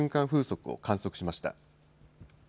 風速を観測しました。